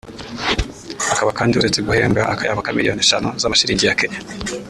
akaba kandi uretse guhembwa akayabo ka miliyoni eshanu z’amashilingi ya Kenya